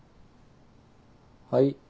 はい。